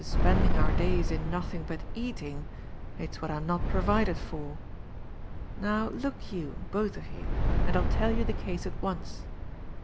spending our days in nothing but eating, it's what Fm not provided for. Now look you, both of you, and I'll tell you the case at once.